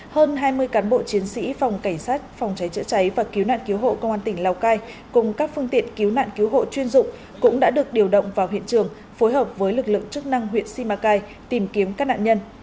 hơn hai mươi cán bộ chiến sĩ phòng cảnh sát phòng cháy chữa cháy và cứu nạn cứu hộ công an tỉnh lào cai cùng các phương tiện cứu nạn cứu hộ chuyên dụng cũng đã được điều động vào hiện trường phối hợp với lực lượng chức năng huyện simacai tìm kiếm các nạn nhân